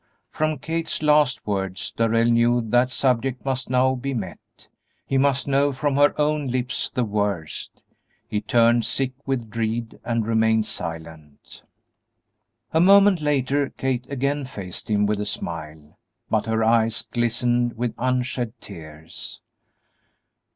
From Kate's last words Darrell knew that subject must now be met; he must know from her own lips the worst. He turned sick with dread and remained silent. A moment later Kate again faced him with a smile, but her eyes glistened with unshed tears.